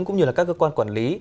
cũng như là các cơ quan quản lý